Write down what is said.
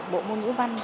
bộ môn ngũ văn